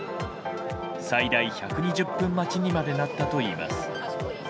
最大１２０分待ちにまでなったといいます。